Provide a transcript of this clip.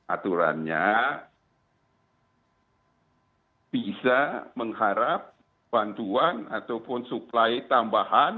aturannya bisa mengharap bantuan ataupun supply tambahan